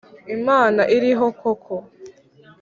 Imana iriho koko